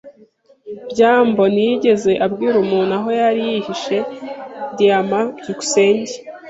byambo ntiyigeze abwira umuntu aho yari yihishe diyama. byukusenge